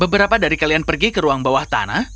beberapa dari kalian pergi ke ruang bawah tanah